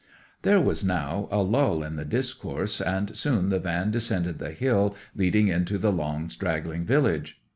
There was now a lull in the discourse, and soon the van descended the hill leading into the long straggling village.